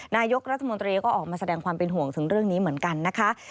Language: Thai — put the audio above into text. นายกรัฐมนตรีก็ออกมาแสดงความเป็นห่วงถึงเรื่องนี้เหมือนกันนะคะ